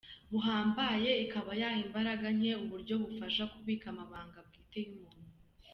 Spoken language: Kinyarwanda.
buhambaye, ikaba yaha imbaraga nke ubu buryo bufasha kubika amabanga bwite y’umuntu